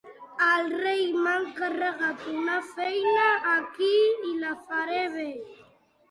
El rei m'ha encarregat una feina aquí i la faré bé.